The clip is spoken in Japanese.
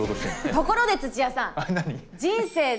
ところで土屋さん。何？